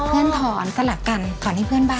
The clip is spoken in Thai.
ถอนสลับกันถอนให้เพื่อนบ้าน